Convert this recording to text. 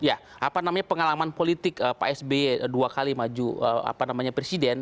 ya apa namanya pengalaman politik pak sby dua kali maju presiden